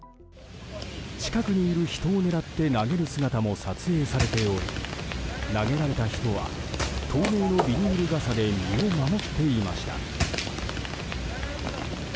近くにいる人を狙って投げる姿も撮影されており投げられた人は透明のビニール傘で身を守っていました。